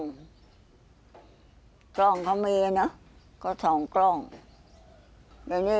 อย่างนี้แค่ก็สิ้นชีวิตแล้วหนู